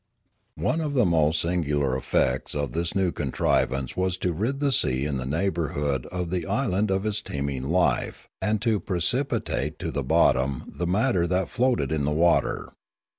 One of the most singular effects of this new contriv ance was to rid the sea in the neighbourhood of the island of its teeming life and to precipitate to the bot tom the matter that floated in the water.